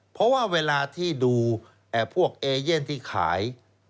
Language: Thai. เพราะว่าเวลาที่ดูพวกเอเย่นที่ขาย